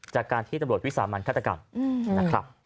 จากการที่ตำรวจวิสามันฆาตกรรมนะครับ